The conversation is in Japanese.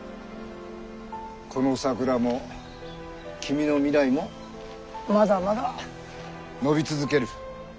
この桜も君の未来もまだまだ伸び続ける。